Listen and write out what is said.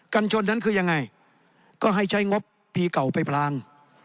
ัญชนนั้นคือยังไงก็ให้ใช้งบปีเก่าไปพลาง